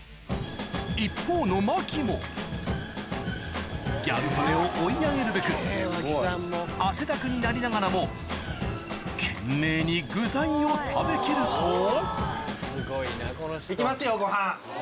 ・一方の巻もギャル曽根を追い上げるべく汗だくになりながらも懸命に具材を食べきるとすごいなこの人。